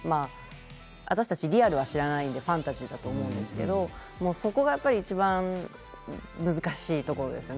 私たちリアルは知らないのでファンタジーだと思っているんですけどそこがいちばん難しいところですよね。